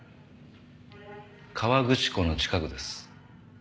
河口湖の近くです。